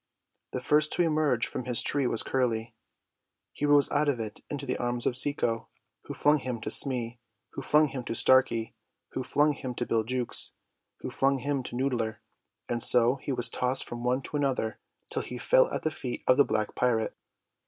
The first to emerge from his tree was Curly. He rose out of it into the arms of Cecco, who flung him to Smee, who flung him to Starkey, who flung him to Bill Jukes, who flung him to Noodler, and so he was tossed from one to another till he fell at the feet of the black pirate.